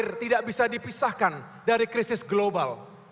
air tidak bisa dipisahkan dari krisis global